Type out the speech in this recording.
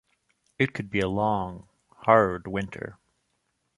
It could be a long, hard winter.